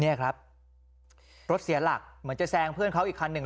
นี่ครับรถเสียหลักเหมือนจะแซงเพื่อนเขาอีกคันหนึ่ง